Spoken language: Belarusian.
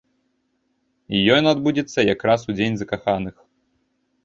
Ён адбудзецца якраз у дзень закаханых.